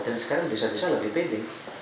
dan sekarang desa desa lebih pendek